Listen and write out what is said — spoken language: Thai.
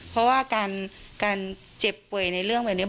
เพราะว่าการเจ็บป่วยในเรื่องแบบนี้